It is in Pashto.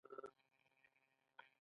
پنېر د اختر د خوراکو یوه برخه ده.